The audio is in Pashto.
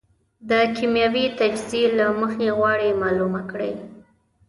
د کېمیاوي تجزیې له مخې غواړي معلومه کړي.